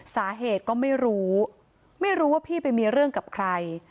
สาเหตุก็ไม่รู้ไม่รู้ว่าพี่ไปมีเรื่องกับใคร